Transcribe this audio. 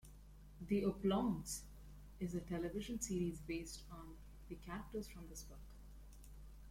"The Oblongs" is a television series based on the characters from this book.